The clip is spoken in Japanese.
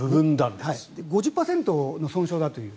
５０％の損傷だという。